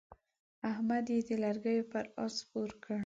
احمد يې د لرګو پر اس سپور کړ.